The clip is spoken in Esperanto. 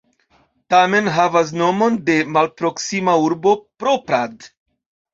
Tamen havas nomon de malproksima urbo Poprad.